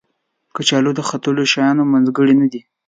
کچالو د څټلو شیانو منځګړی نه دی